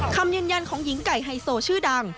คำยืนยันของหญิงไก่ไฮโซชื่อดัง